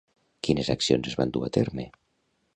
Quines accions es van dur a terme?